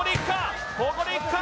ここでいくか